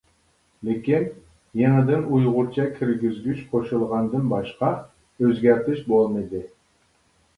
لېكىن، يېڭىدىن ئۇيغۇرچە كىرگۈزگۈچ قوشۇلغاندىن باشقا ئۆزگەرتىش بولمىدى.